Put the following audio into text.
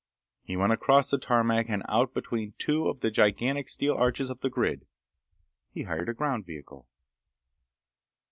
He went across the tarmac and out between two of the gigantic steel arches of the grid. He hired a ground vehicle.